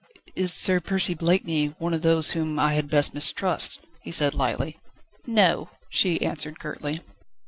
"Is Sir Percy Blakeney one of those whom I had best mistrust?" he said lightly. "No," she answered curtly.